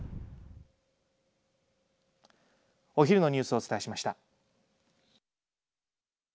お昼のニュースをお伝えしました。